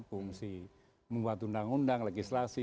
fungsi membuat undang undang legislasi